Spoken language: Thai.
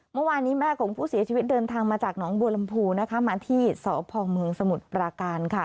เมื่อวานนี้แม่ของผู้เสียชีวิตเดินทางมาจากหนองบัวลำพูนะคะมาที่สพเมืองสมุทรปราการค่ะ